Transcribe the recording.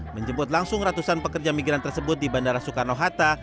menjemput langsung ratusan pekerja migran tersebut di bandara soekarno hatta